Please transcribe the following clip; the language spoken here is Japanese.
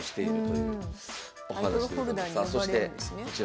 さあそしてこちら。